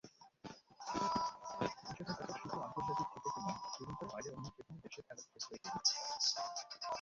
নিষেধাজ্ঞাটা শুধু আন্তর্জাতিক ক্রিকেটই নয়, শ্রীলঙ্কার বাইরে অন্য যেকোনো দেশে খেলার ক্ষেত্রেও প্রযোজ্য।